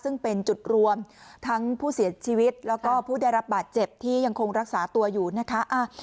ซึ่งเป็นจุดรวมทั้งผู้เสียชีวิตแล้วก็ผู้ได้รับบาดเจ็บที่ยังคงรักษาตัวอยู่นะคะ